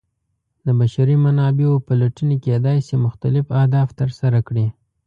د بشري منابعو پلټنې کیدای شي مختلف اهداف ترسره کړي.